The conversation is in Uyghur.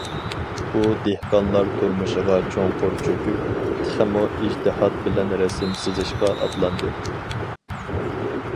ئۇ دېھقانلار تۇرمۇشىغا چوڭقۇر چۆكۈپ، تېخىمۇ ئىجتىھات بىلەن رەسىم سىزىشقا ئاتلاندى.